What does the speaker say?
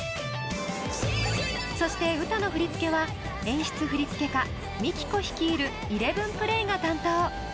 そしてウタの振り付けは演出振付家・ＭＩＫＩＫＯ率いるＥＬＥＶＥＮＰＬＡＹが担当。